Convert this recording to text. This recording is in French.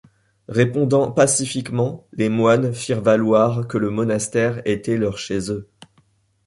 Répondant pacifiquement, les moines firent valoir que le monastère était leur chez-eux.